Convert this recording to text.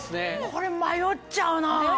これ迷っちゃうな。